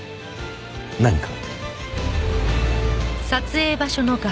何か？